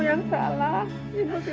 inveksi rahim ini